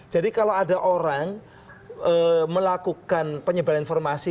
jadi kalau ada orang melakukan penyebaran informasi